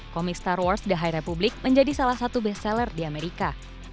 komik star wars the high republic menjadi salah satu best seller di amerika